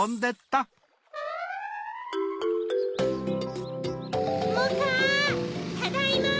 ただいま！